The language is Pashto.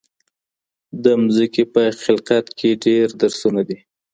د ځمکي په خلقت کي ډېر درسونه دي.